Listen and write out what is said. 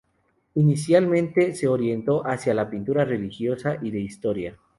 Inicialmente se orientó hacia la pintura religiosa y de historia.